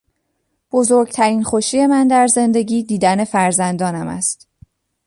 بزرگترین خوشی من در زندگی دیدن فرزندانم است.